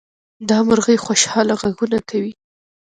دا مرغۍ خوشحاله غږونه کوي.